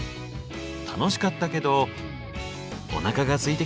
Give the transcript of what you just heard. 楽しかったけどおなかがすいてきちゃいましたね。